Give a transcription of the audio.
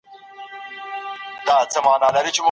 نصوار د غاښونو ناروغۍ لامل کېږي.